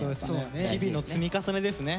日々の積み重ねですね。